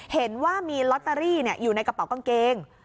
เห็นว่ามีลอตเตอรี่อยู่ในกระเป๋ากางเกง